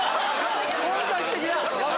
本格的だ！